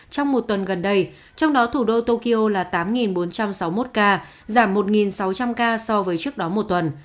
trong một tuần gần đây trong đó thủ đô tokyo là tám bốn trăm sáu mươi một ca giảm một sáu trăm linh ca so với trước đó một tuần